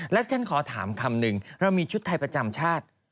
และฉันขอถามคำหนึ่งเรามีชุดไทยประจำชาติ